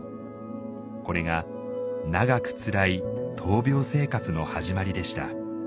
これが長くつらい闘病生活の始まりでした。